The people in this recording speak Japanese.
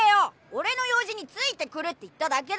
俺の用事についてくるって言っただけだろ。